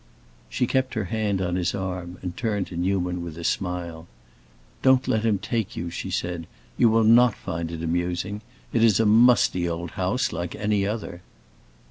She kept her hand on his arm, and turned to Newman with a smile. "Don't let him take you," she said; "you will not find it amusing. It is a musty old house, like any other."